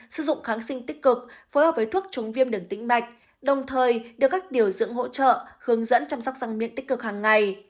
sử dụng kháng sinh tích cực phối hợp với thuốc chống viêm đường tĩnh mạch đồng thời đưa các điều dưỡng hỗ trợ hướng dẫn chăm sóc răng miệng tích cực hàng ngày